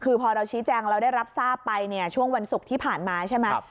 คือพอเราชี้แจงเราได้รับทราบไปเนี่ยช่วงวันศุกร์ที่ผ่านมาใช่ไหม